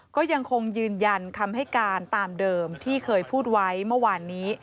ก็ยังคงยืนยันคำให้การตามเดิมที่เคยพูดไว้เมื่อวานนี้